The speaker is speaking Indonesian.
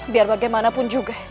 biar bagaimanapun juga